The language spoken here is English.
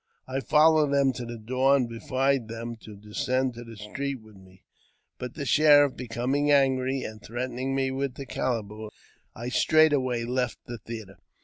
I followed them to the door, and defied them to descend to the street with me ; but the sheriff becoming angry, and threatening me with the calaboose, I straightway left the ,m theatre.